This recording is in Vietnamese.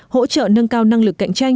hỗ trợ nâng cao năng lực cạnh tranh